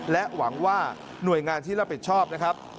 และหวังว่าหน่วยงานที่รับผิดชอบนะครับ